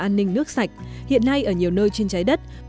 an ninh nước sạch hiện nay ở nhiều nơi trên trái đất